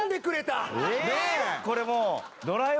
これもう。